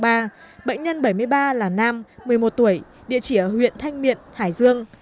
bệnh nhân bảy mươi ba là nam một mươi một tuổi địa chỉ ở huyện thanh miện hải dương